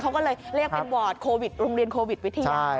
เขาก็เลยเรียกเป็นวอร์ดโควิดโรงเรียนโควิดวิทยา